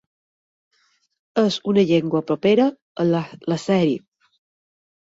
És una llengua propera a l'àzeri.